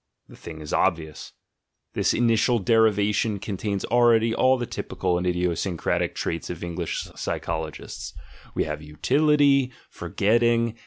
The thing is obvi ous: — this initial derivation contains already all the typical and idiosyncratic traits of the English psycholo gists — we have "utility," "forgetting."